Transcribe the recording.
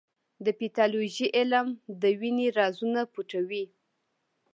د پیتالوژي علم د وینې رازونه پټوي.